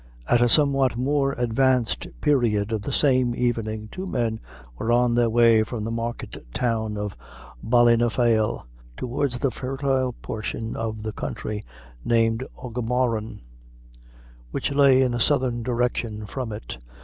At a somewhat more advanced period of the same evening, two men were on their way from the market town of Ballynafail, towards a fertile portion of the country, named Aughamuran, which lay in a southern direction from it.